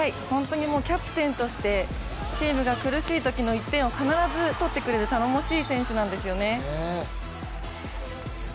キャプテンとしてチームが苦しいときの１点を必ず取ってくれる頼もしい選手なんですよね。